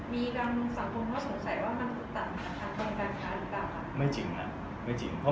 มีกรรมสังคมก็สงสัยว่ามันถูกต่ำกับกรรมการค้าหรือเปล่าครับ